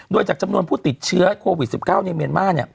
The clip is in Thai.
โดยจากจำนวนผู้ติดเชื้อโควิด๑๙ในเมียนมาร์